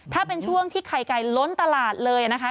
ถ้าเป็นช่วงที่ไข่ไก่ล้นตลาดเลยนะคะ